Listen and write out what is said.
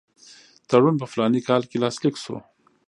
تړون په فلاني کال کې لاسلیک شو.